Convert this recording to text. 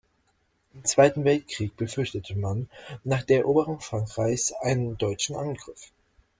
Im Zweiten Weltkrieg befürchtete man nach der Eroberung Frankreichs einen deutschen Angriff.